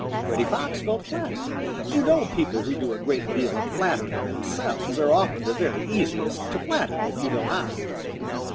Reddy Fox felt flattered. You know people who do a great deal of flattering themselves are often the very easiest to flatter if you know how.